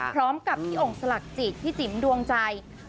พร้อมกับพี่องค์สลักจิตพี่จิ๋มดวงใจ